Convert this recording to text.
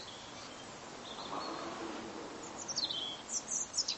Amato sopra ogni cosa.